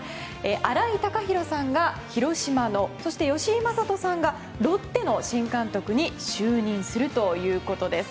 新井貴浩さんが広島のそして吉井理人さんがロッテの新監督に就任するということです。